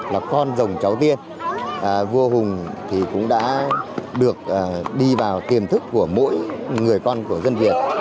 là con rồng cháu tiên vua hùng thì cũng đã được đi vào tiềm thức của mỗi người con của dân việt